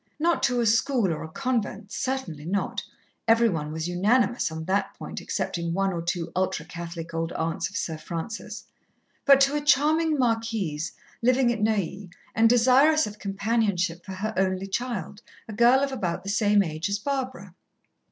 Not to a school or a convent, certainly not every one was unanimous on that point excepting one or two ultra Catholic old aunts of Sir Francis but to a charming Marquise, living at Neuilly, and desirous of companionship for her only child, a girl of about the same age as Barbara.